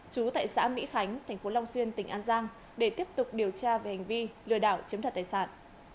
trú tại xã mỹ khánh tp long xuyên tỉnh an giang để tiếp tục điều tra về hành vi lừa đảo chiếm thật tài sản